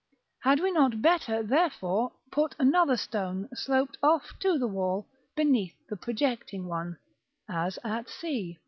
Had we not better, therefore, put another stone, sloped off to the wall, beneath the projecting one, as at c.